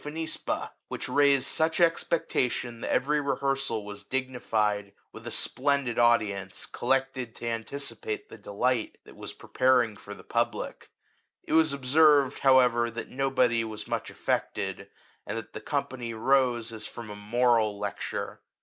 xHl " phonisba/' which raised such expectation, that every rehearsal was dignified with a splendid audience, collected to anticipate the delight that was preparing for the public. It was observed, however, that nobody was much affected, and that the company rose as from a moral lecture.